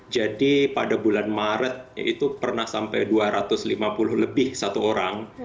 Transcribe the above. jadi pada bulan maret itu pernah sampai dua ratus lima puluh lebih satu orang